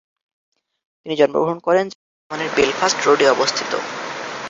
তিনি জন্মগ্রহণ করেন যা বর্তমানের বেলফাস্ট রোডে অবস্থিত।